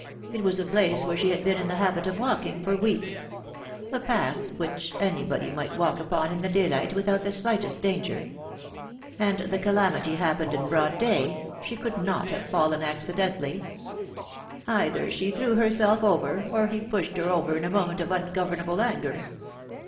It was a place where she had been in the habit of walking for weeks a path which anybody might walk upon in the daylight without the slightest danger. And the calamity happened in broad day. She could not have fallen accidentally. Either she threw her self over, or he pushed her over in a moment of ungovernable anger.